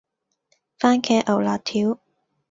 蕃茄牛肋條